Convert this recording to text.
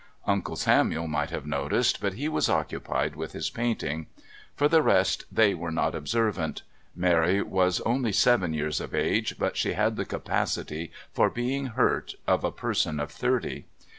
Uncle Samuel might have noticed, but he was occupied with his painting. For the rest they were not observant. Mary was only seven years of age, but she had the capacity for being hurt of a person of thirty.